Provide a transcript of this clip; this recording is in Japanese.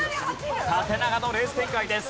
縦長のレース展開です。